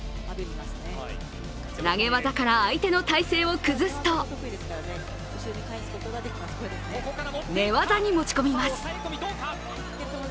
投げ技から相手の体勢を崩すと寝技に持ち込みます。